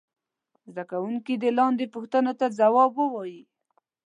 زده کوونکي دې لاندې پوښتنو ته ځواب ووايي.